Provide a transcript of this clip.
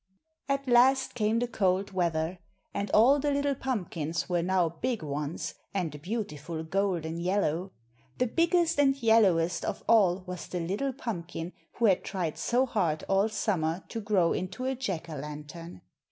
At last came the cold weather, and all the little pumpkins were now big ones, and a beautiful golden yellow. The biggest and yellowest of all was the little pumpkin who had tried so hard all summer to grow into a Jack o' lantern.